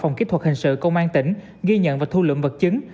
ghi nhận và thu lượm vật chứng